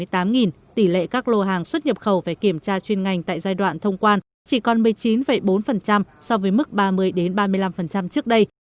tỷ lệ các lô hàng xuất nhập khẩu về kiểm tra chuyên ngành tại giai đoạn thông quan chỉ còn một mươi chín bốn so với mức ba mươi ba mươi năm trước đây